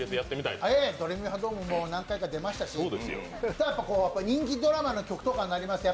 「ドレミファドン！」も何回か出ましたし人気ドラマの曲とかになりますと。